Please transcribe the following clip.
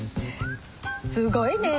すごいねえ。